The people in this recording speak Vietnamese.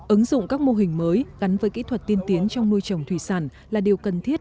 ứng dụng các mô hình mới gắn với kỹ thuật tiên tiến trong nuôi trồng thủy sản là điều cần thiết